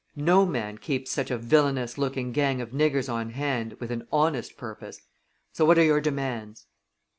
No man keeps such a villainous looking gang of niggers on hand with an honest purpose. So what are your demands?"